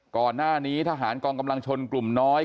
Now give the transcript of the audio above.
ก่อนหน้านี้ทหารกองกำลังชนกลุ่มน้อย